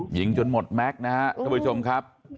หยิงจนหมดแม็กค์นะฮะพี่ผู้ชมครับ